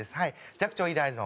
寂聴以来の。